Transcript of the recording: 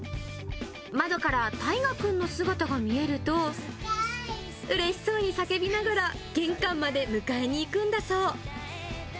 窓からたいがくんの姿が見えると、うれしそうに叫びながら、玄関まで迎えに行くんだそう。